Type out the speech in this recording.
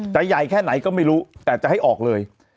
ใหญ่แค่ไหนก็ไม่รู้แต่จะให้ออกเลย